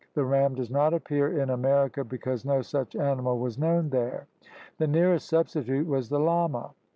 The ram does not appear in America because no such animal was known there. The nearest substitute was the llama.